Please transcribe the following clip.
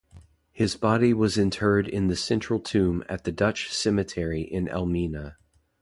His body was interred in the central tomb at the Dutch cemetery in Elmina.